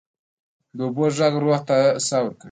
د اوبو ږغ روح ته ساه ورکوي.